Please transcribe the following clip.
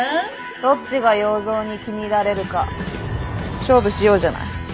どっちが要造に気に入られるか勝負しようじゃない。